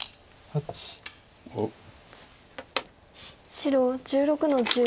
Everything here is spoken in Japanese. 白１６の十。